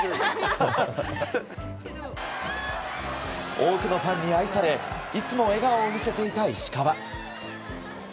多くのファンに愛されいつも笑顔を見せていた石川。